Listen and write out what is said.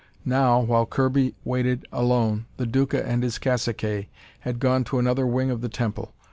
Now, while Kirby waited alone, the Duca and his caciques had gone to another wing of the temple.